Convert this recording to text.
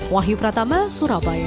wahyu pratama surabaya